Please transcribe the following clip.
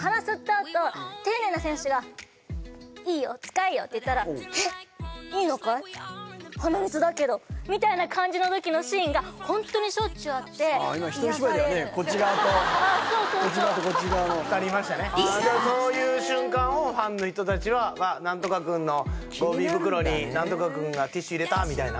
あと丁寧な選手が「いいよ使えよ」って言ったら「えっいいのかい？鼻水だけど」みたいな感じの時のシーンがホントにしょっちゅうあって今一人芝居だよねこっち側と癒やされるあっそうそうこっち側とこっち側の２人いましたねじゃそういう瞬間をファンの人たちは何とか君のゴミ袋に何とか君がティッシュ入れたみたいな？